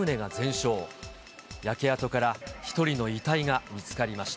焼け跡から１人の遺体が見つかりました。